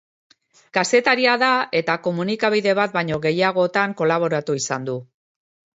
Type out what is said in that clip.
Kazetaria da eta komunikabide bat baino gehiagotankolaboratu izan du.